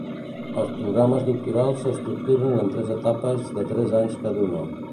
Els programes doctorals s'estructuren en tres etapes de tres anys cada una.